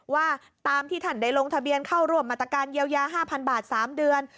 ว่าตามที่ท่านได้ลงทะเบียนเข้าร่วมมาตรการเยียวยา๕๐๐บาท๓เดือน